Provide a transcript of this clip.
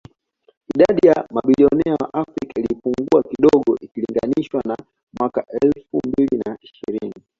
Idadi ya mabilionea wa Afrika ilipungua kidogo ikilinganishwa na mwaka elfu mbili na ishirini